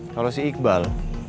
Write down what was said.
kalau si iqbal